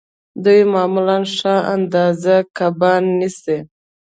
دوی معمولاً ښه اندازه کبان نیسي